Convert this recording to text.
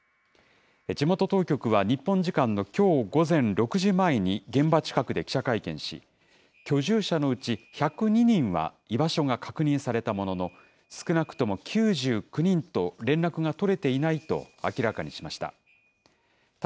地元当局は日本時間のきょう午前６時前に、現場近くで記者会見し、居住者のうち１０２人は居場所が確認されたものの、少なくとも９９人と連絡が取れていないと明らかにしました。